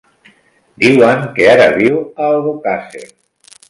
Diuen que ara viu a Albocàsser.